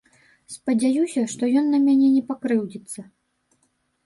Спадзяюся, што ён на мяне не пакрыўдзіцца.